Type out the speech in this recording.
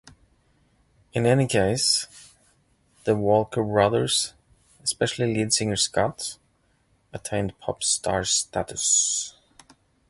In any case, the Walker Brothers, especially lead singer Scott, attained pop star status.